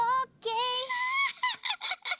ハハハハハ！